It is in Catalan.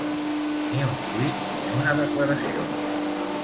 Ni un tuit, ni una declaració.